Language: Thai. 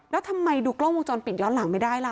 แล้วทำไมดูกล้องวงจรปิดย้อนหลังไม่ได้ล่ะ